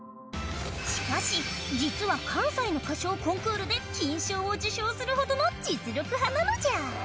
しかし実は関西の歌唱コンクールで金賞を受賞するほどの実力派なのじゃ！